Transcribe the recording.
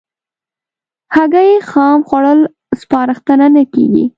هګۍ خام خوړل سپارښتنه نه کېږي.